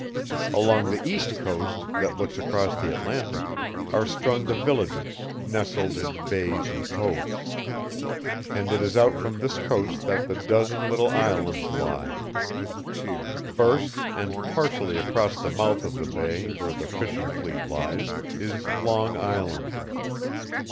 Along the east coast, that looks across the Atlantic, are strung the villages, nestled in bays and coves. And it is out from this coast that the dozen little islands lie. First, and partially across the mouth of the bay where the fishing fleet lies, is Long Island.